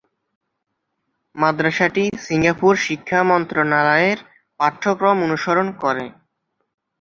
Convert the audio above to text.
মাদ্রাসাটি সিঙ্গাপুর শিক্ষা মন্ত্রণালয়ের পাঠ্যক্রম অনুসরণ করে।